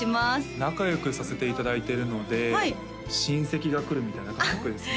仲良くさせていただいてるので親戚が来るみたいな感覚ですね